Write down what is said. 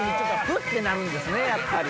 フッてなるんですね。